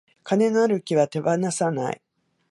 金のなる木は手放さない